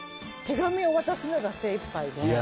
手紙を渡すのが精いっぱいで。